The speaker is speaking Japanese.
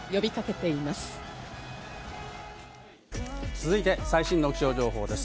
続いて最新の気象情報です。